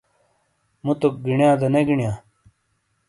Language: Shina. موتوک گینیاں دا نے گینیاں ؟